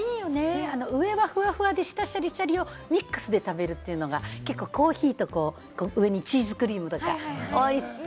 上はふわふわで、下がシャリシャリをミックスで食べるというのが結構コーヒーと上にチーズクリームとかおいしそう。